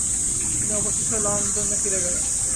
তিনি অবশেষে লন্ডনে ফিরে গেলেন।